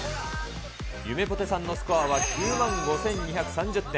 ゆめぽてさんのスコアは９万５２３０点。